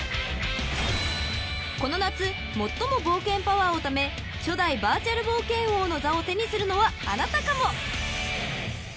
［この夏最も冒険パワーをため初代バーチャル冒険王の座を手にするのはあなたかも］